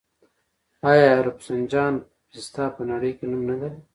آیا د رفسنجان پسته په نړۍ کې نوم نلري؟